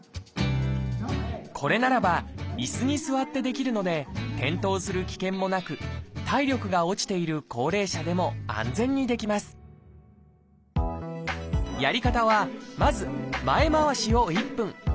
これならば椅子に座ってできるので転倒する危険もなく体力が落ちている高齢者でも安全にできますやり方はまず前回しを１分。